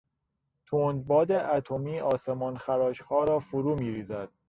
تند باد اتمی آسمانخراشها را فرو میریزد.